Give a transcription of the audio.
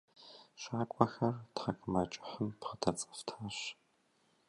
Щакӏуэхьэр тхьэкӏумэкӏыхьым бгъэдэцӏэфтащ.